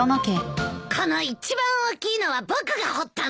この一番大きいのは僕が掘ったんだ！